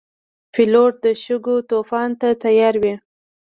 پیلوټ د شګو طوفان ته تیار وي.